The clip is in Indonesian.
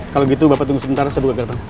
kalau gitu bapak tunggu sebentar saya buka gerbang